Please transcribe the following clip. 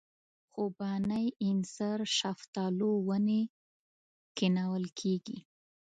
خوبانۍ اینځر شفتالو ونې کښېنول کېږي.